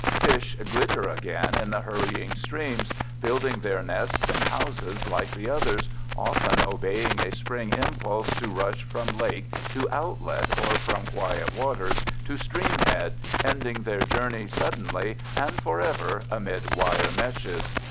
Fish glitter again in the hurrying streams, building their nests and houses like the others—often obeying a spring impulse to rush from lake to outlet or from quiet water to streamhead, ending their journey suddenly and forever amid wire meshes.